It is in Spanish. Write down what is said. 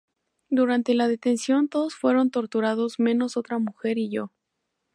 Durante la detención todos fueron torturados menos otra mujer y yo".